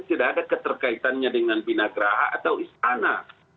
tidak ada keterkaitannya dengan binagraha atau istana